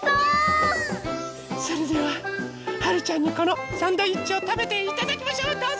それでははるちゃんにこのサンドイッチをたべていただきましょうどうぞ！